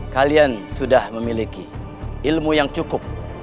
kalian sudah memiliki ilmu yang cukup